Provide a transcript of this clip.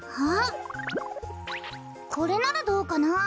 これならどうかなあ？